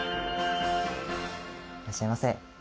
いらっしゃいませ。